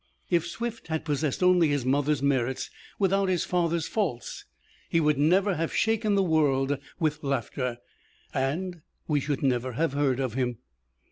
If Swift had possessed only his mother's merits, without his father's faults, he would never have shaken the world with laughter, and we should never have heard of him.